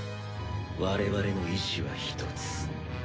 我々の意志は一つ。